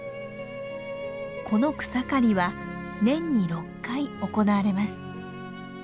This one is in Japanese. この草刈りは年に６回行われます。